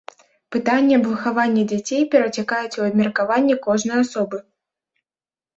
Пытанні аб выхаванні дзяцей перацякаюць у абмеркаванне кожнай асобы.